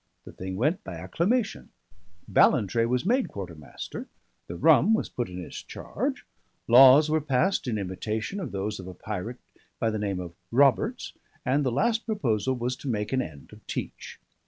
The thing went by acclamation; Ballantrae was made quartermaster, the rum was put in his charge, laws were passed in imitation of those of a pirate by the name of Roberts, and the last proposal was to make an end of Teach.